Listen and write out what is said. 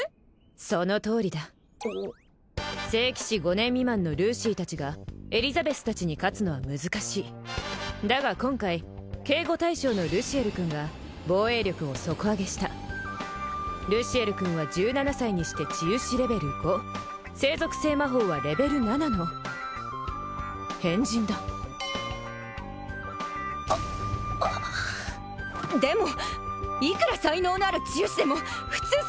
そのとおりだ聖騎士５年未満のルーシィー達がエリザベス達に勝つのは難しいだが今回警護対象のルシエル君が防衛力を底上げしたルシエル君は１７歳にして治癒士レベル５聖属性魔法はレベル７の変人だでもいくら才能のある治癒士でも普通そんなことは不可能ですわ！